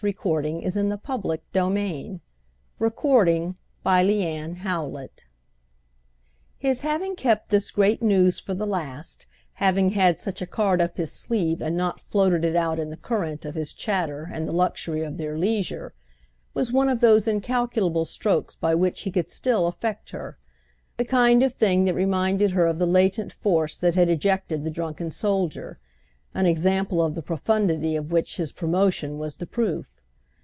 He would take her to see it on their first Sunday. CHAPTER XIX. His having kept this great news for the last, having had such a card up his sleeve and not floated it out in the current of his chatter and the luxury of their leisure, was one of those incalculable strokes by which he could still affect her; the kind of thing that reminded her of the latent force that had ejected the drunken soldier—an example of the profundity of which his promotion was the proof.